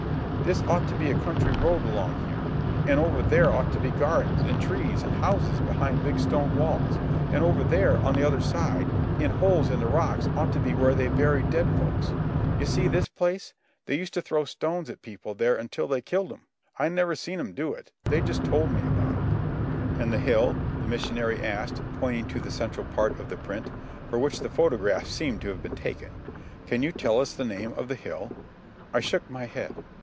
This ought to be a country road along here. An' over there ought to be gardens, an' trees, an' houses behind big stone walls. An' over there, on the other side, in holes in the rocks ought to be where they buried dead folks. You see this place?—they used to throw stones at people there until they killed 'm. I never seen 'm do it. They just told me about it." "And the hill?" the missionary asked, pointing to the central part of the print, for which the photograph seemed to have been taken. "Can you tell us the name of the hill?" I shook my head.